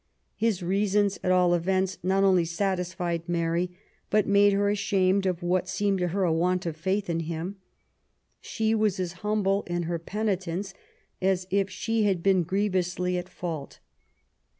His reasons, at all events^ not only satisfied Mary but made her ashamed of what seemed to her a want of faith in him. She was as humble in her penitence as if she had been grievously at fault.